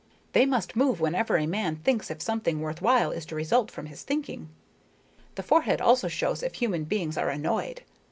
They must move whenever a man thinks if something worth while is to result from his thinking. The forehead also shows if human beings are annoyed.